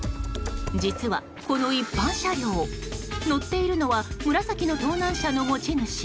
実はこの一般車両乗っているのは紫の盗難車の持ち主。